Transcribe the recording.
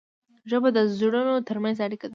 ژبه د زړونو ترمنځ اړیکه ده.